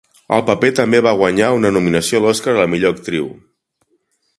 El paper també va guanyar una nominació a l'Oscar a la millor actriu.